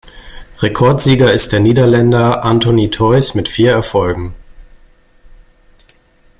Rekordsieger ist der Niederländer Anthony Theus mit vier Erfolgen.